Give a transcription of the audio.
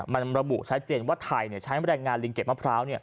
มันระบุชัดเจนว่าไทยใช้แรงงานลิงเก็บมะพร้าว